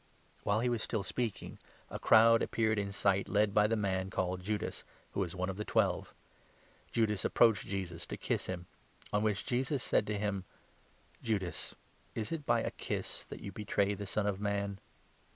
The While he was still speaking, a crowd ap 47 Arrest o* peared in sight, led by the man called Judas, jeaus. who was one of the Twelve. Judas approached Jesus, to kiss him ; on which Jesus said to him : 48 "Judas, is it by a kiss that you betray the Son of Man